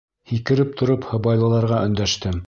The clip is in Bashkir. Һикереп тороп һыбайлыларға өндәштем.